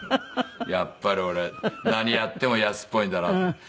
やっぱり俺何やっても安っぽいんだなと思って。